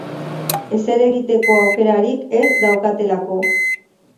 Ezer egiteko aukerarik ez daukatelako.